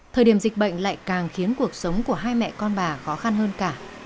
thời điểm dịch bệnh lại càng khiến cuộc sống của hai mẹ con bà khó khăn hơn cả